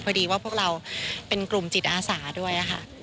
พอดีว่าพวกเราเป็นกลุ่มจิตอาสาด้วยค่ะ